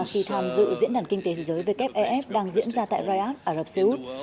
khi tham dự diễn đàn kinh tế thế giới wf đang diễn ra tại riyadh ả rập xê út